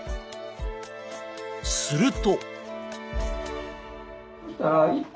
すると。